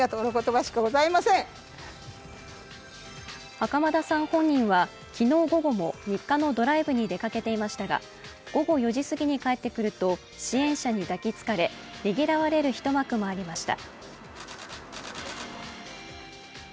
袴田さん本人は、昨日午後も日課のドライブに出かけていましたが、午後４時すぎに帰ってくると支援者に抱きつかれねぎらわれる一幕もありました。